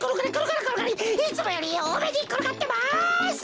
いつもよりおおめにころがってます！